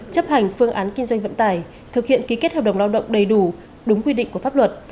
chấp hành phương án kinh doanh vận tải thực hiện ký kết hợp đồng lao động đầy đủ đúng quy định của pháp luật